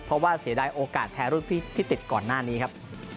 เพราะว่าเสียดายโอกาสแพ้รุ่นพี่ที่ติดก่อนหน้านี้ครับ